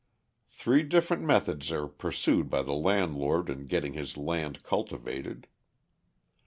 Three different methods are pursued by the landlord in getting his land cultivated.